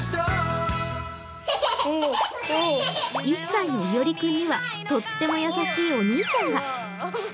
１歳のいおりくんにはとっても優しいお兄ちゃんが。